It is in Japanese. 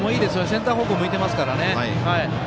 センター方向、向いてますからね。